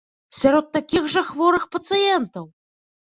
Сярод такіх жа хворых пацыентаў!